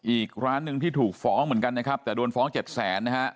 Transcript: อีกร้านหนึ่งที่ถูกฟ้องเหมือนกันนะครับแต่โดนฟ้องเจ็ดแสนนะฮะ